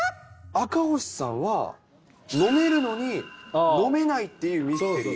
赤星さんは、飲めるのに飲めないっていうミステリー。